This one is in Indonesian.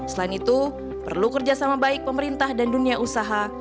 selain itu perlu kerjasama baik pemerintah dan dunia usaha